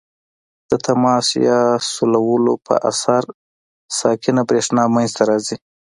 د تماس یا سولولو په اثر ساکنه برېښنا منځ ته راځي.